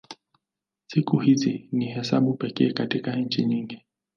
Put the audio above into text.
Siku hizi ni hesabu pekee katika nchi nyingi.